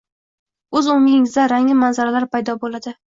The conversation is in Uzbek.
ko’z o’ngingizda rangin manzaralar paydo bo’ladi.